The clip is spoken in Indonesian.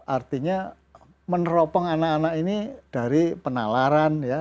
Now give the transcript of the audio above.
artinya meneropong anak anak ini dari penalaran ya